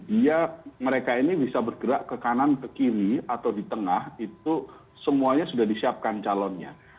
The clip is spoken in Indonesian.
dia mereka ini bisa bergerak ke kanan ke kiri atau di tengah itu semuanya sudah disiapkan calonnya